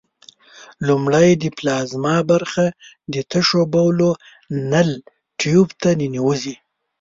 لومړی د پلازما برخه د تشو بولو نل ټیوب ته ننوزي.